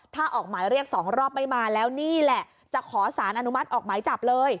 ถ้าออกหมายเรียก๒รอบไม่มาแล้วนี่แหละจะขอสารอนุมัติออกหมายจับเลย